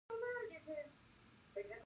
په مستعمرو کې د محصولاتو بیه ډېره ټیټه وه